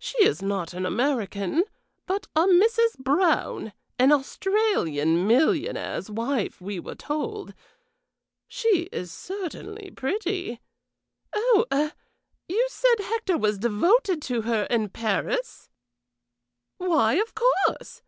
"She is not an American, but a Mrs. Brown, an Australian millionaire's wife, we were told. She is certainly pretty. Oh eh you said Hector was devoted to her in Paris?" "Why, of course!